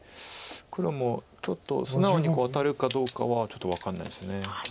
黒もちょっと素直にワタるかどうかはちょっと分かんないです。